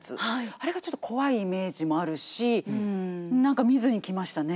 あれがちょっと怖いイメージもあるし何か見ずにきましたね。